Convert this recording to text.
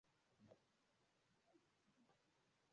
tabianchi kampuni zilizoahidi kupunguza uchafuzi wao wa hewa